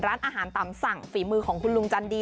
ร้านอาหารต่ำสั่งฝีมือของหลุงจันทร์ดีนะ